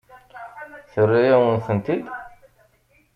Terra-yawen-tent-id?